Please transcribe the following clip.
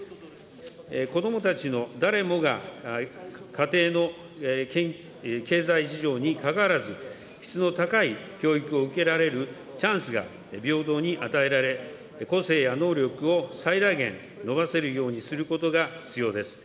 子どもたちの誰もが、家庭の経済事情にかかわらず、質の高い教育を受けられるチャンスが平等に与えられ、個性や能力を最大限伸ばせるようにすることが必要です。